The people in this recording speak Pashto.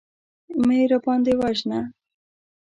مه يې راباندې وژنه.